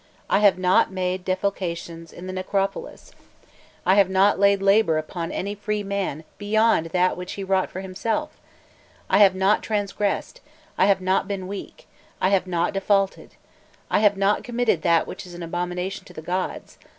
I have not made defalcations in the necropolis! I have not laid labour upon any free man beyond that which he wrought for himself! I have not transgressed, I have not been weak, I have not defaulted, I have not committed that which is an abomination to the gods.